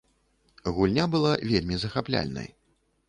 Гульня была вельмі захапляльнай.